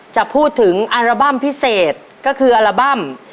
จะพูดถึงอัลบั้มพิเศษก็คืออัลบั้ม